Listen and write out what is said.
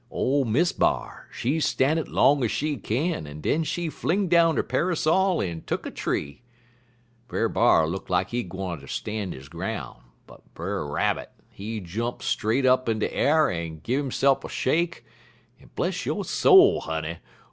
Ole Miss B'ar, she stan' it long ez she kin, en den she fling down 'er parrysol en tuck a tree. Brer B'ar look lak he gwine ter stan' his groun', but Brer Rabbit he jump straight up in de a'r en gin hisse'f a shake, en, bless yo' soul, honey!